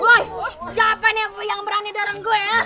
woy jawabannya yang berani orang gue ya